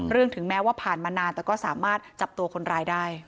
ถึงแม้ว่าผ่านมานานแต่ก็สามารถจับตัวคนร้ายได้